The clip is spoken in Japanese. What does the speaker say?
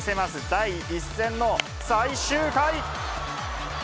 第１戦の最終回。